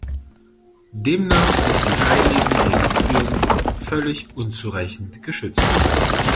Demnach sind die heiligen Reliquien völlig unzureichend geschützt.